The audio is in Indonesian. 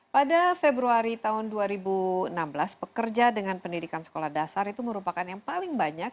pada februari tahun dua ribu enam belas pekerja dengan pendidikan sekolah dasar itu merupakan yang paling banyak